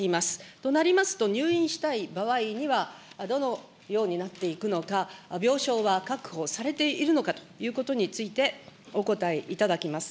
となりますと、入院したい場合には、どのようになっていくのか、病床は確保されているのかということについてお答えいただきます。